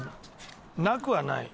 なくはない。